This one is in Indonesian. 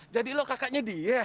jadi lu kakaknya dia